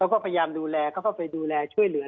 แล้วก็พยายามดูแลเขาเข้าไปดูแลช่วยเหลือ